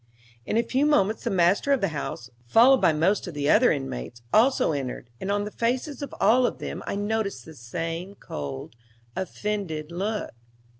In a few moments the master of the house, followed by most of the other inmates, also entered, and on the faces of all of them I noticed the same cold, offended look.